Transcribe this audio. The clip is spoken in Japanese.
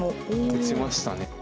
打ちましたね。